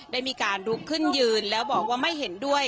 ได้มีการลุกขึ้นยืนแล้วบอกว่าไม่เห็นด้วย